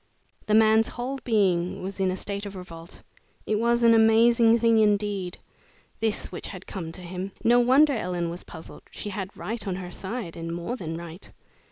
The man's whole being was in a state of revolt. It was an amazing thing indeed, this which had come to him. No wonder Ellen was puzzled! She had right on her side, and more than right.